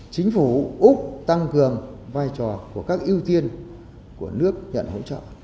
chính phủ úc tăng cường vai trò của các ưu tiên của nước nhận hỗ trợ